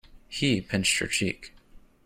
He pinched her cheek.